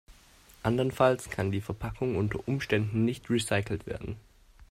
Andernfalls kann die Verpackung unter Umständen nicht recycelt werden.